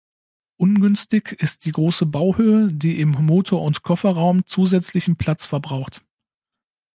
Ungünstig ist die große Bauhöhe, die im Motor- und Kofferraum zusätzlichen Platz verbraucht.